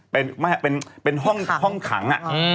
เป็นห้องขัง